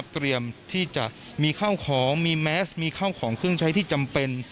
เตรียมที่จะมีข้าวของมีแมสมีเข้าของเครื่องใช้ที่จำเป็น